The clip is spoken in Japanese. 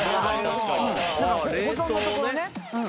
保存のところね。